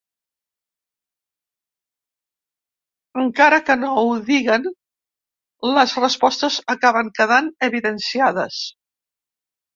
Encara que no ho diguen, les respostes acaben quedant evidenciades.